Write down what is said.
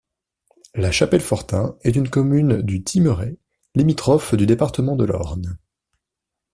La Chapelle-Fortin est une commune du Thymerais, limitrophe du département de l'Orne.